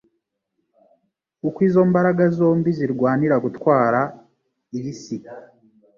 kuko izo mbaraga zombi zirwanira gutwara iyi si.